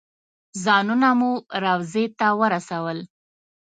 ځانونه مو روضې ته ورسول.